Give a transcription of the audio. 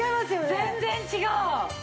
全然違う！